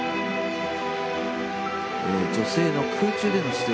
女性の空中での姿勢